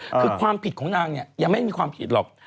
คือความผิดของนางเนี่ยยังไม่มีความผิดหรอก